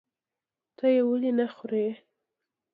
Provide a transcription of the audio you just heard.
ته یې ولې نخورې؟